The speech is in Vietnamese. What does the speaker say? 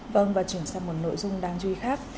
vâng và chuyển sang một nội dung đáng chú ý khác